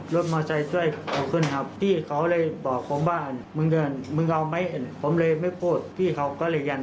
เราจะไปชื่อไอ้ที่ไหน